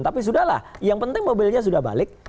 tapi sudah lah yang penting mobilnya sudah balik